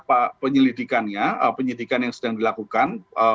apa penyelidikannya penyidikan yang sedang dilakukan